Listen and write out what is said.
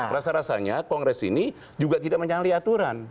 rasa rasanya kongres ini juga tidak menyalahi aturan